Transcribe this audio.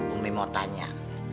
umi mau tanya